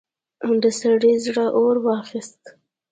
د سړي زړه اور واخيست.